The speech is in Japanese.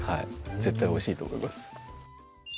絶対おいしいと思います